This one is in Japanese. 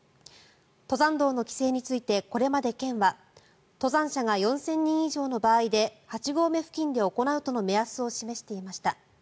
登山道の規制についてこれまで県は登山者が４０００人以上の場合で８合目付近で行うとの目安を示していました。